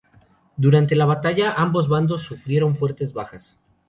Durante la batalla ambos bandos sufrieron fuertes bajas.